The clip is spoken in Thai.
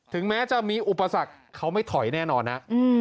แม้จะมีอุปสรรคเขาไม่ถอยแน่นอนนะ